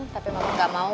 tapi mama gak mau